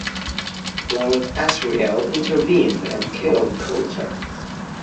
Lord Asriel intervened and killed Coulter.